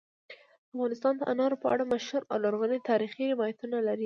افغانستان د انارو په اړه مشهور او لرغوني تاریخی روایتونه لري.